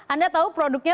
anda tahu produknya